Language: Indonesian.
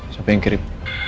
siapa yang kirim